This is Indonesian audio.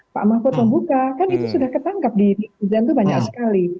pak mahfud membuka kan itu sudah ketangkep di hujan itu banyak sekali